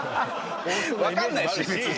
分かんないし。